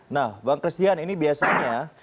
nah bang christian ini biasanya